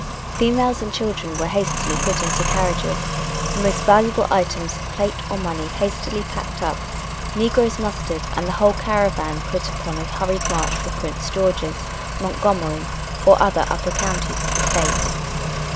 Females and children were hastily put into carriages, the most valuable items of plate or money hastily packed up, negroes mustered and the whole caravan put upon a hurried march for Prince George's, Montgomery or other upper counties of the State.